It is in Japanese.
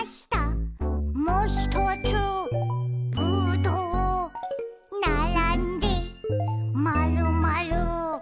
「もひとつぶどう」「ならんでまるまる」